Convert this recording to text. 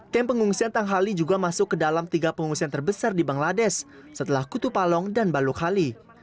kem pengungsian tanghali juga masuk ke dalam tiga pengungsian terbesar di bangladesh setelah kutupalong dan balukhali